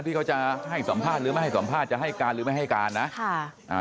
ที่เขาจะให้สัมภาษณ์หรือไม่ให้สัมภาษณ์จะให้การหรือไม่ให้การนะค่ะอ่า